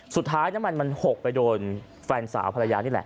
น้ำมันมันหกไปโดนแฟนสาวภรรยานี่แหละ